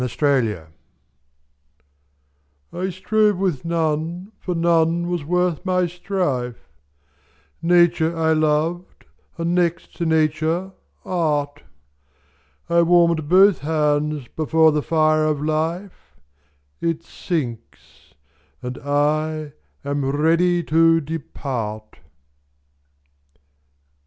9 Autoplay I strove with none, for none was worth my strife: Nature I loved, and, next to Nature, Art: I warm'd both hands before the fire of Life; It sinks; and I am ready to depart.